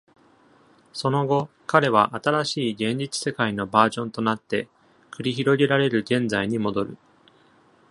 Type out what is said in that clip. その後、彼は新しい現実世界のバージョンとなって繰り広げられる現在に戻る。